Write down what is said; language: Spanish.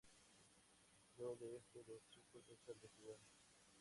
Luego de esto, los chicos dejan de jugar.